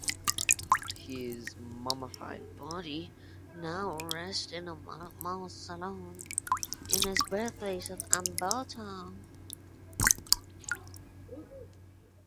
His mummified body now rests in a mausoleum in his birthplace of Ambato.